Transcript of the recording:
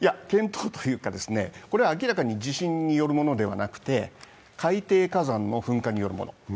見当というか、これは明らかに地震によるものではなくて、海底火山の噴火によるもの。